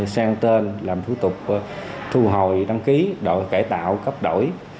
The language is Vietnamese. sang tên làm thủ tục thu hồi đăng ký đội cải tạo cấp đổi